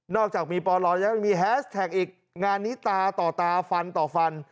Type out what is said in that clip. อกจากมีปอลยังมีแฮสแท็กอีกงานนี้ตาต่อตาฟันต่อฟัน